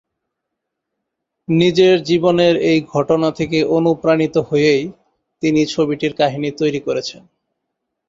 নিজের জীবনের এই ঘটনা থেকে অণুপ্রাণিত হয়েই তিনি ছবিটির কাহিনী তৈরি করেছেন।